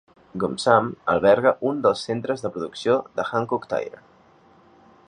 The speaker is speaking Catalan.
Geumsam alberga un dels centres de producció de Hankook Tire.